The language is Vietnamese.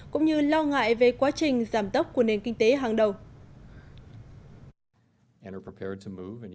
cũng như lo ngại về quá trình giảm tốc của nền kinh tế hàng đầu